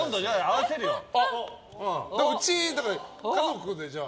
うち、家族でじゃあ。